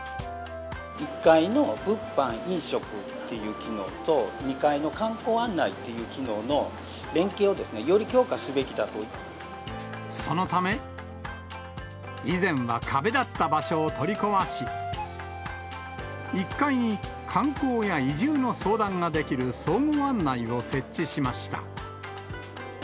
１階の物販飲食っていう機能と、２階の観光案内っていう機能の連携をですね、より強化すべきそのため、以前は壁だった場所を取り壊し、１階に観光や移住の相談ができる総合案内を設置しました。